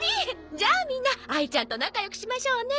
じゃあみんなあいちゃんと仲良くしましょうね。